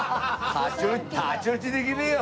太刀打ちできねえよ